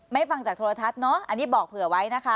ฟังจากโทรทัศน์เนอะอันนี้บอกเผื่อไว้นะคะ